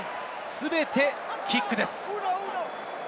全てキックです。